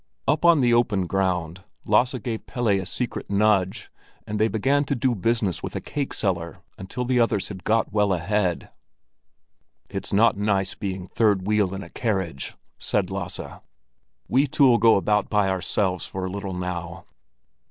Up on the open ground, Lasse gave Pelle a secret nudge, and they began to do business with a cake seller until the others had got well ahead. "It's not nice being third wheel in a carriage," said Lasse. "We two'll go about by ourselves for a little now."